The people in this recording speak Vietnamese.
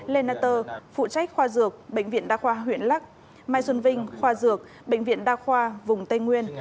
lê nát tơ phụ trách khoa dược bệnh viện đa khoa huyện lắc mai xuân vinh khoa dược bệnh viện đa khoa vùng tây nguyên